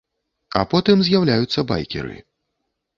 А потым з'яўляюцца байкеры.